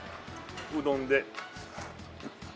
うどんで。